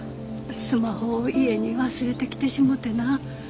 スマホを家に忘れてきてしもてな。